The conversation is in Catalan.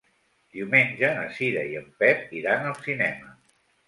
Diumenge na Cira i en Pep iran al cinema.